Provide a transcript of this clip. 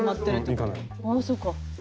ああそうか。